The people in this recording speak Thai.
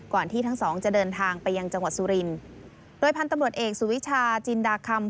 ที่ทั้งสองจะเดินทางไปยังจังหวัดสุรินโดยพันธุ์ตำรวจเอกสุวิชาจินดาคำ